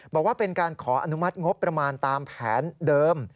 บอกว่าเป็นการขออนุมัติงบประมาณตามแผนเดิม